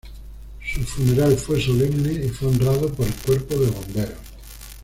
Su funeral fue solemne y fue honrado por el cuerpo de bomberos.